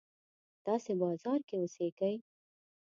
تاسې بازار کې اوسېږئ.